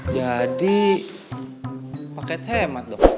jadi paket hemat dong